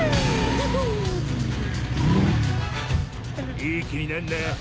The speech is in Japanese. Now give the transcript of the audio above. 「ハハッ」「いい気になんな」